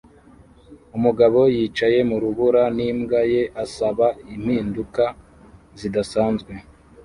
Umugabo yicaye mu rubura n'imbwa ye asaba impinduka zidasanzwe